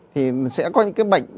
thì sẽ có những cái bệnh